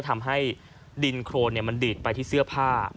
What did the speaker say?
ทำให้ดินโครนมันดีดไปที่เสื้อผ้า